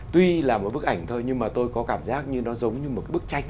tuy là một bức ảnh thôi nhưng mà tôi có cảm giác như nó giống như một cái bức tranh